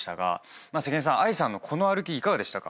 関根さん藍さんのこの歩きいかがでしたか？